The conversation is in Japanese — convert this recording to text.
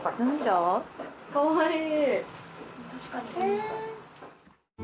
かわいい！